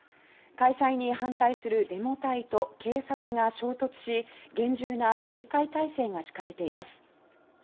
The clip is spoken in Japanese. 開催に反対するデモ隊と警察が衝突し厳重な警戒態勢が敷かれています。